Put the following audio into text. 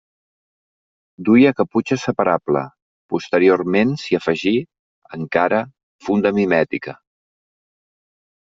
Duia caputxa separable; posteriorment s'hi afegí, encara, funda mimètica.